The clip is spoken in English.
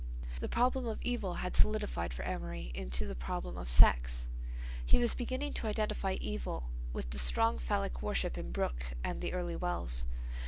The problem of evil had solidified for Amory into the problem of sex. He was beginning to identify evil with the strong phallic worship in Brooke and the early Wells.